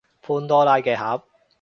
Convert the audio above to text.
潘多拉嘅盒